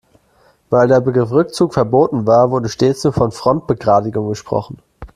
Weil der Begriff Rückzug verboten war, wurde stets nur von Frontbegradigung gesprochen.